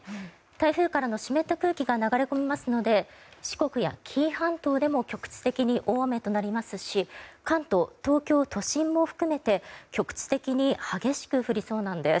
台風からの湿った空気が流れ込みますので四国や紀伊半島でも局地的に大雨となりますし関東、東京都心も含めて局地的に激しく降りそうなんです。